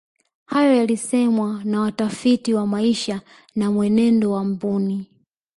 hayo yalisemwa na watafiti wa maisha na mwenendo wa mbuni